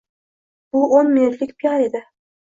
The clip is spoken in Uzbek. bu o'n minutlik piar edi.